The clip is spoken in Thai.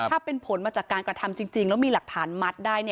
ถ้าเป็นผลมาจากการกระทำจริงแล้วมีหลักฐานมัดได้